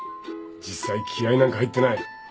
実際気合なんか入ってない。